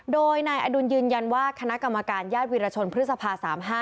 โดยนายอดุลยืนยันว่าคณะกรรมการญาติวิรชนพฤษภา๓๕